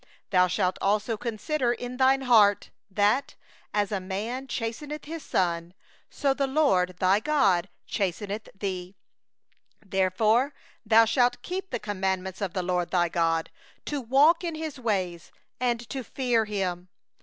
5And thou shalt consider in thy heart, that, as a man chasteneth his son, so the LORD thy God chasteneth thee. 6And thou shalt keep the commandments of the LORD thy God, to walk in His ways, and to fear Him.